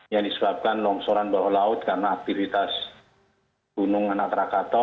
yang disebabkan longsoran bawah laut karena aktivitas gunungan atrakata